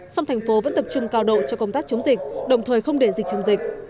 song thành phố vẫn tập trung cao độ cho công tác chống dịch đồng thời không để dịch chống dịch